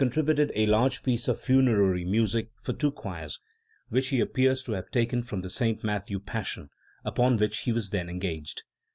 175 tributed a large piece of funerary music for two choirs, which he appears to have taken from the St. Matthew Passion, upon which he was then engaged.